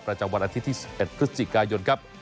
ประจำวันอาทิตย์ที่๑๑พฤศจิกายนครับ